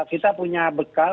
kita punya bekal